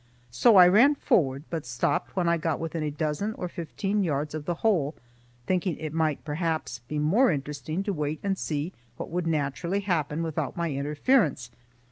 So I ran forward but stopped when I got within a dozen or fifteen yards of the hole, thinking it might perhaps be more interesting to wait and see what would naturally happen without my interference.